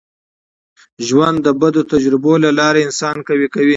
ژوند د بدو تجربو له لاري انسان قوي کوي.